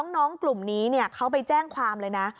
น้องกลุ่มนี้เขาไปแจ้งความเลยนะ